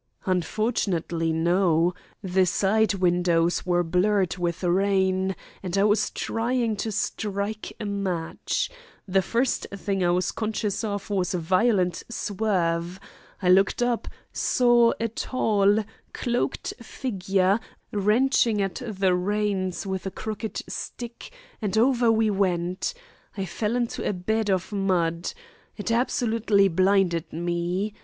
"Unfortunately, no. The side windows were blurred with rain, and I was trying to strike a match. The first thing I was conscious of was a violent swerve. I looked up, saw a tall, cloaked figure wrenching at the reins with a crooked stick, and over we went. I fell into a bed of mud. It absolutely blinded me.